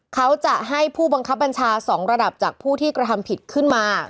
เขาจะให้ผู้บังคับบัญชา๒ระดับจากผู้ที่กระทำผิดขึ้นมา